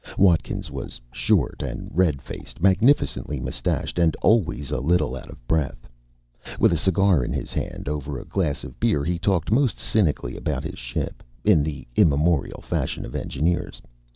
Watkins was short and red faced, magnificently mustached, and always a little out of breath. With a cigar in his hand, over a glass of beer, he talked most cynically about his ship, in the immemorial fashion of engineers.